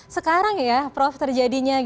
sekarang ya prof terjadinya